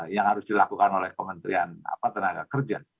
yang harus dilakukan oleh kementerian tenaga kerja